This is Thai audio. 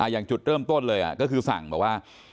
อย่างจุดเริ่มต้นเลยก็คือสั่งแบบว่า